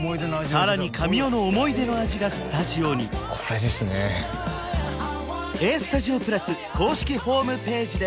さらに神尾の思い出の味がスタジオに今もしてはんの？